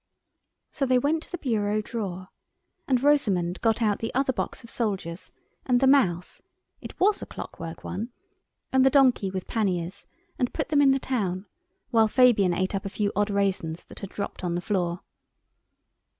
So they went to the bureau drawer, and Rosamund got out the other box of soldiers and the mouse—it was a clockwork one—and the donkey with panniers, and put them in the town, while Fabian ate up a few odd raisins that had dropped on the floor.